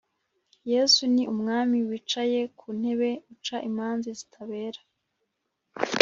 yezu ni umwami Wicaye ku ntebe uca imanza zitabera